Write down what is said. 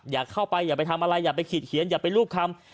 อย่าเข้าไปอย่าไปทำอะไรอย่าไปขีดเขียนอย่าไปรูปคำ